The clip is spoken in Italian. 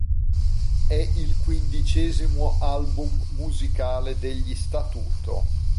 È il quindicesimo album musicale degli Statuto.